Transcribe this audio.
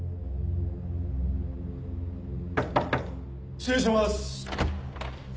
失礼します。